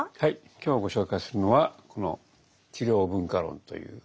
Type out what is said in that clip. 今日ご紹介するのはこの「治療文化論」という本です。